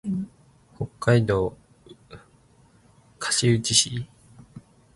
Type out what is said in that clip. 北海道歌志内市